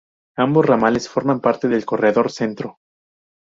Ambos ramales forman parte del Corredor Centro.